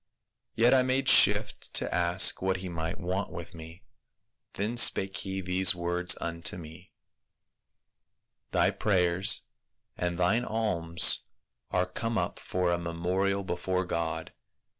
Yet I made shift to ask what he might want with me. Then spake he these words unto me, ' Thy prayers and thine alms are come up for a memorial before God.